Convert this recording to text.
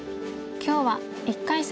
今日は１回戦